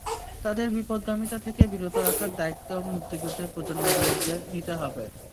তাদের বিপথগামিতা থেকে বিরত রাখার দায়িত্ব মুক্তিযুদ্ধের প্রজন্মের লোকদের নিতে হবে।